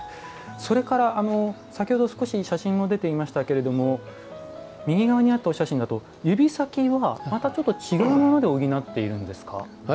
それから先ほど少し写真も出ていましたけども右側にあったお写真だと指先は、また違ったもので補っているんですか？